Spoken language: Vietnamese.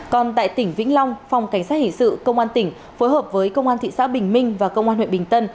còn tại tỉnh vĩnh long phòng cảnh sát hình sự công an tỉnh phối hợp với công an thị xã bình minh và công an huyện bình tân